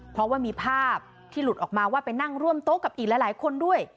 เพราะว่ามีภาพที่หลุดออกมาว่าไปนั่งร่วมโต๊ะกับอีกหลายคนด้วย